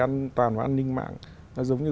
an toàn và an ninh mạng là giống như